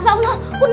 zancryl dan dadang